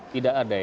tidak ada ya